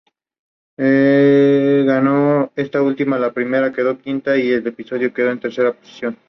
El epíteto "australis" significa "del sur", por el hábitat de la especie.